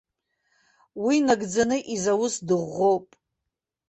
Уи нагӡаны изауз дыӷәӷәоуп.